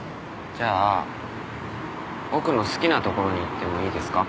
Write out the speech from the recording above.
じゃあ僕の好きな所に行ってもいいですか？